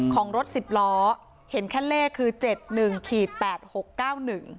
ของรถสิบล้อเห็นแค่เลขคือเจ็ดหนึ่งขีดแปดหกเก้าหนึ่ง